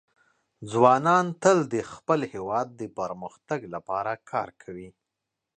ځوانان تل د خپل هېواد د پرمختګ لپاره کار کوي.